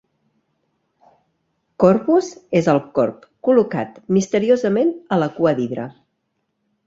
Corvus és el corb col·locat misteriosament a la cua d'Hidra.